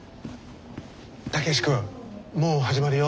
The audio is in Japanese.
武志君もう始まるよ。